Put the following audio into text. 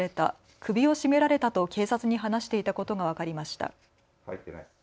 首を絞められたと警察に話していたことが分かりました。